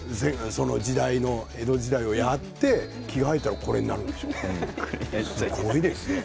その時代の江戸時代をやって着替えたらこれになるんでしょうすごいですね。